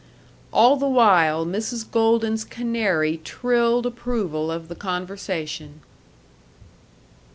All the while Mrs. Golden's canary trilled approval of the conversation.